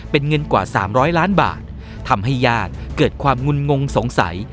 เป็นเงินกว่า๓๐๐ล้านบาททำให้ญาติเกิดความงุ่นงงสงสัย